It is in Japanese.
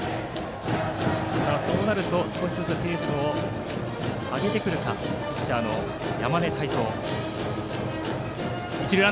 そうなると少しずつペースを上げてくるかピッチャーの山根汰三。